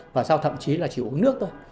và sau thậm chí là chỉ uống nước thôi